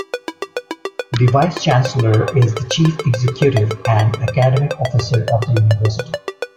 The Vice Chancellor is the Chief Executive and Academic Officer of the University.